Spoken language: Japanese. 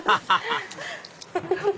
アハハハ！